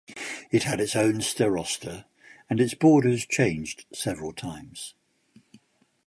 It had its own starosta, and its borders changed several times.